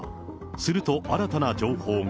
すると、新たな情報が。